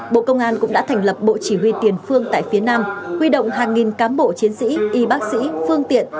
bộ công an cũng đã thành lập bộ chỉ huy tiền phương tại phía nam huy động hàng nghìn cán bộ chiến sĩ y bác sĩ phương tiện